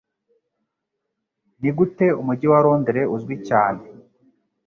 Nigute umugi wa Londres uzwi cyane?